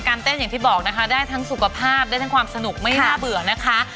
เต้นอย่างที่บอกนะคะได้ทั้งสุขภาพได้ทั้งความสนุกไม่น่าเบื่อนะคะ